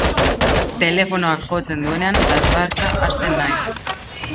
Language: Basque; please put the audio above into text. Telefonoak jotzen duenean dardarka hasten naiz.